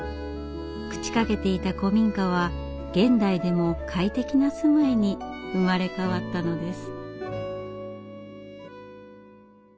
朽ちかけていた古民家は現代でも快適な住まいに生まれ変わったのです。